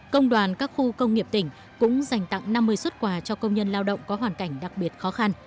công đoàn các khu công nghiệp tỉnh cũng dành tặng năm mươi xuất quà cho công nhân lao động có hoàn cảnh đặc biệt khó khăn